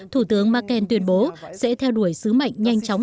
thủ tướng merkel tuyên bố sẽ theo đuổi sứ mệnh nhanh chóng